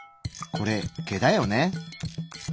これ毛だよね？